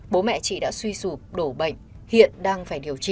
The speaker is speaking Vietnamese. bố mẹ chị đã suy sụp đổ bệnh hiện đang phải điều trị